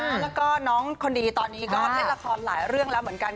แล้วก็น้องคนดีตอนนี้ก็เล่นละครหลายเรื่องแล้วเหมือนกัน